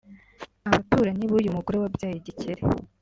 Abaturanyi b’uyu mugore wabyaye igikeri